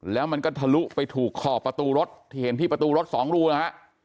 แล้วมันก็ทะลุไปถูกขอบประตูรถที่เห็นที่ประตูรถสองรูนะฮะ